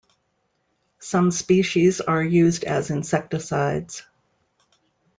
Some species are used as insecticides.